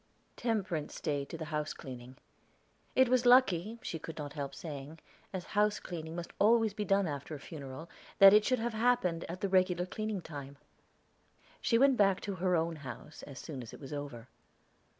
Temperance stayed to the house cleaning. It was lucky, she could not help saying, as house cleaning must always be after a funeral, that it should have happened at the regular cleaning time. She went back to her own house as soon as it was over.